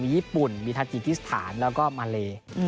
ญี่ปุ่นมีทาจิกิสถานแล้วก็มาเล